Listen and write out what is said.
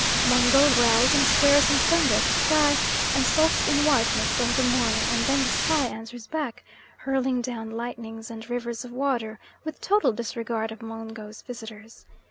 Mungo growls and swears in thunder at the sky, and sulks in white mist all the morning, and then the sky answers back, hurling down lightnings and rivers of water, with total disregard of Mungo's visitors.